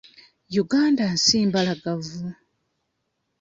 Uganda nsi mbalagavu.